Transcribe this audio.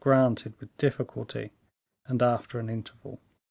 granted with difficulty, and after an interval.